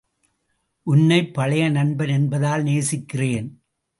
உன்னைப்பழைய நண்பன் என்பதால் நேசிக்கிறேன்.